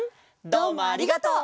どうもありがとう。